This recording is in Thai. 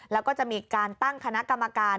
แล้วก็จะมีการตั้งคณะกรรมการ